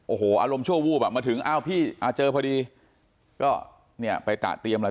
โอ้โหอารมณ์ชั่ววูบมาถึงพี่เจอพอดีก็ไปตราดเตรียมแล้ว